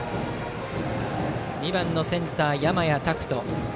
２番のセンター、山家拓人。